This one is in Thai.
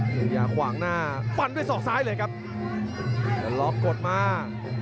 สุริยาขวางหน้าฟันด้วยศอกซ้ายเลยครับแล้วล็อกกดมา